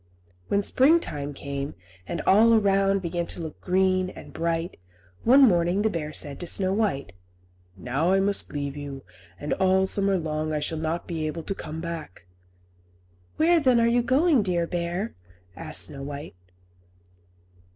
When springtime came, and all around began to look green and bright, one morning the bear said to Snow White, "Now I must leave you, and all the summer long I shall not be able to come back." "Where, then, are you going, dear bear?" asked Snow White.